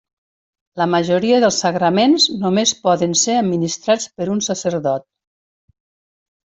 La majoria dels sagraments només poden ser administrats per un sacerdot.